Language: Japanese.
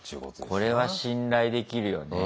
これは信頼できるよね。